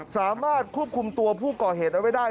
สามารถควบคุมตัวผู้ก่อเหตุเอาไว้ได้